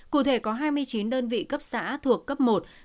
cụ thể có hai mươi chín đơn vị cấp xã thuộc cấp một